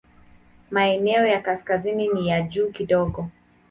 Maeneo ya kaskazini ni ya juu kidogo.